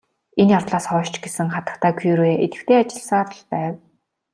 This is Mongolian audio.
Энэ явдлаас хойш ч гэсэн хатагтай Кюре идэвхтэй ажилласаар л байв.